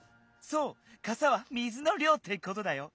そうかさは水のりょうってことだよ。